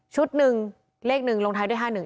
หนึ่งเลขหนึ่งลงท้ายด้วย๕๑